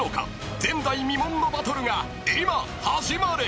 ［前代未聞のバトルが今始まる！］